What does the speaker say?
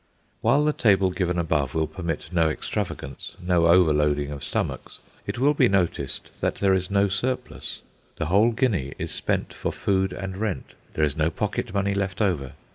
While the table given above will permit no extravagance, no overloading of stomachs, it will be noticed that there is no surplus. The whole guinea is spent for food and rent. There is no pocket money left over.